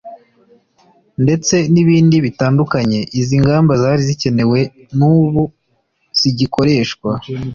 ndetse n' ibindi bitandukanye. izi ngamba zari zikenewe n' ubu zigikoreshwa